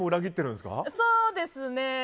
そうですね。